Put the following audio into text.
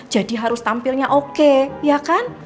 jadi harus tampilnya oke ya kan